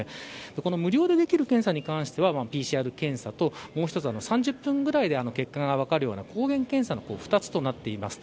無料でできる検査に関してはＰＣＲ検査ともう１つ、３０分ぐらいで結果が分かるような抗原検査の２つとなっています。